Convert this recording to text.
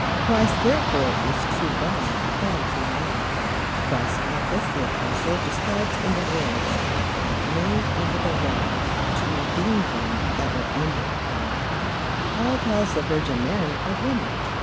Christ therefore is true God and true man. Christ's office the Apostle describes in the words: "Made under the law, to redeem them that were under the law." Paul calls the Virgin Mary a woman.